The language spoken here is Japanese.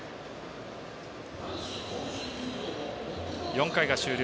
４回が終了。